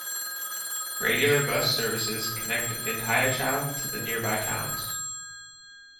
Regular bus services connect Vindhyachal to the nearby towns.